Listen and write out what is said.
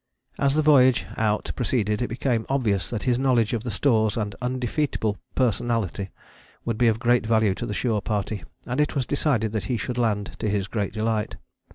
As the voyage out proceeded it became obvious that his knowledge of the stores and undefeatable personality would be of great value to the shore party, and it was decided that he should land, to his great delight.